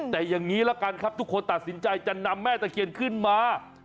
แต่อย่างนี้ละกันครับทุกคนตัดสินใจจะนำแม่ตะเคียนขึ้นมา